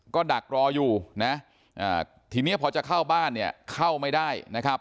ก็ดักรออยู่นะทีนี้พอจะเข้าบ้านเนี่ยเข้าไม่ได้นะครับ